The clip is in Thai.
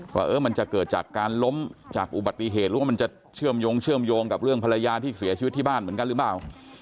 ว่ามันจะเกิดจากการล้มจากอุบัติเหตุหรือว่ามันจะเชื่อมโยงเชื่อมโยงกับเรื่องภรรยาที่เสียชีวิตที่บ้านเหมือนกันหรือเปล่า